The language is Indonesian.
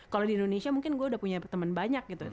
kalo di indonesia mungkin gue udah punya temen banyak gitu